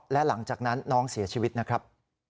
และหลังจากนั้นน้องเสียชีวิตนะครับ